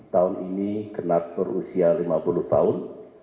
tahun ini genap berusia lima puluh tahun